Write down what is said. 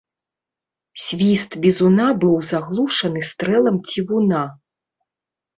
Свіст бізуна быў заглушаны стрэлам цівуна.